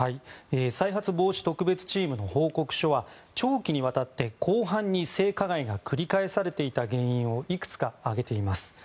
再発防止特別チームの報告書は長期にわたって広範に性加害が繰り返されていた原因をいくつか挙げています。